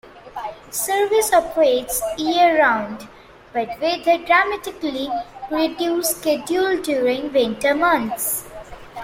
Service operates year-round, but with a dramatically reduced schedule during winter months.